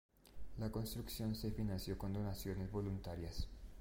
La construcción se financió con donaciones voluntarias.